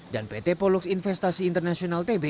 dan pt polux investasi internasional tbk